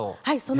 はい。